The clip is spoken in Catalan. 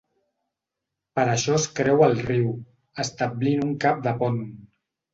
Per a això es creua el riu, establint un cap de pont.